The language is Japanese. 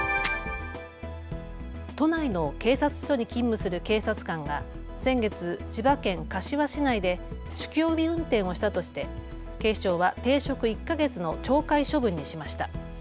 都内の警察署に勤務する警察官が先月、千葉県柏市内で酒気帯び運転をしたとして警視庁は停職１か月の懲戒処分にしました。